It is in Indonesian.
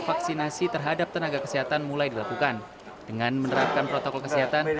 vaksinasi terhadap tenaga kesehatan mulai dilakukan dengan menerapkan protokol kesehatan